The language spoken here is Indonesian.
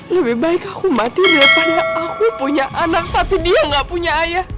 lebih baik aku mati biasanya aku punya anak tapi dia gak punya ayah